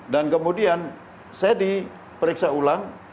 dan kemudian saya diperiksa ulang